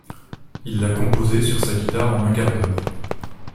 Il l'a composée sur sa guitare en un quart d'heure.